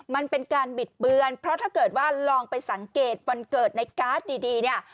มันเป็นการบิดเบือนเพราะถ้าเกิดว่าลองไปสังเกตวันเกิดในการ์ดดีเนี่ย